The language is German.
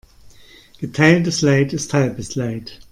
Geteiltes Leid ist halbes Leid.